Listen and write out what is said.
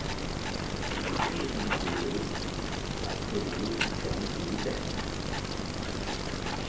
Il est démobilisé le après de service militaire.